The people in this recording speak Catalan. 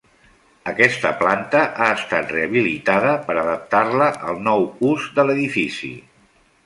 Aquesta planta ha estat rehabilitada per adaptar-la al nou ús de l'edifici.